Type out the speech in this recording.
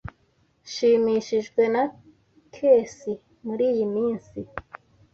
Nshimishijwe na chess muriyi minsi.